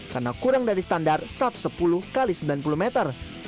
karena kurang dari standar satu ratus sepuluh x sembilan puluh meter